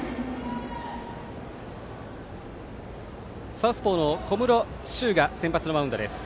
サウスポーの小室朱生が先発のマウンドです。